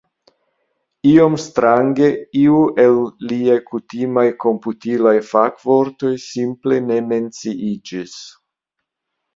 Iom strange iu el liaj kutimaj komputilaj fakvortoj simple ne menciiĝis.